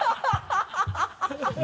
ハハハ